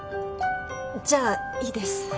じゃあいいです。